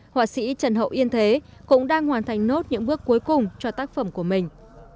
họa sĩ trần hậu yên thế cũng đang hoàn thành nốt những bước cuối cùng cho tác phẩm của mình